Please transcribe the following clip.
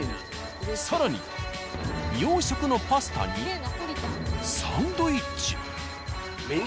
更に洋食のパスタにサンドイッチ。